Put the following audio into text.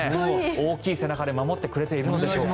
大きい背中で守ってくれているのでしょうか。